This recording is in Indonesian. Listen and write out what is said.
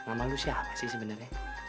nama lu siapa sih sebenarnya